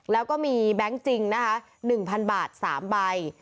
แล้วก็มีแบงค์จริงนะคะ๑๐๐บาท๓ใบ